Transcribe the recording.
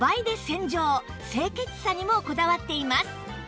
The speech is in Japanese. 清潔さにもこだわっています